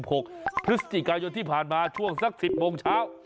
หกพฤศจิกายนที่ผ่านมาช่วงสักสิบโมงเช้า